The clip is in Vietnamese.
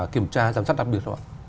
kiểm tra giám sát đặc biệt không ạ